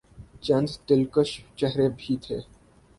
چند دلکش چہرے بھی تھے۔